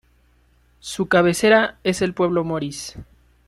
Su cabecera es el pueblo Moris.